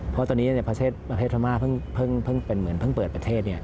เพราะตอนนี้ประเทศพระเทศพระม่าเพิ่งเปิดประเทศ